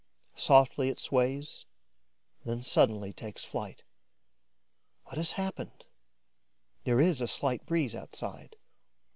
Softly it sways, then suddenly takes flight. What has happened? There is a slight breeze outside.